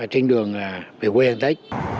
trên đường về quê an tết